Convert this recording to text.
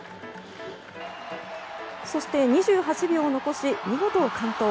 そして、２８秒を残し見事完登。